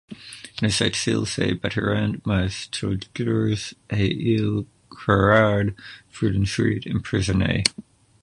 On ne sait s'ils se battirent, mais toujours est-il qu'Érard fut ensuite emprisonné.